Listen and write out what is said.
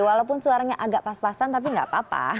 walaupun suaranya agak pas pasan tapi nggak apa apa